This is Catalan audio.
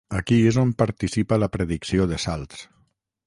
Aquí és on participa la predicció de salts.